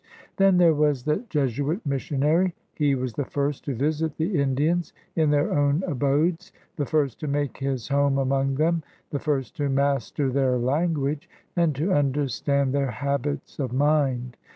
Then there was the Jesuit missionary. He was the first to visit the Indians in their own abodes, the first to make his home among them, the first to master their language and to under stand their habits of mind.